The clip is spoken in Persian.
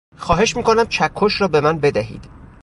خواهش میکنم چکش را به من بدهید.